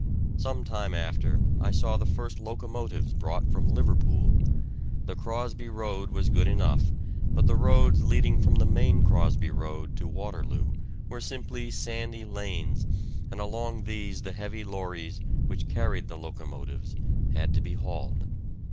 Some time after I saw the first locomotives brought from Liverpool. The Crosby Road was good enough, but the roads leading from the main Crosby Road to Waterloo were simply sandy lanes, and along these the heavy lorries, which carried the locomotives, had to be hauled.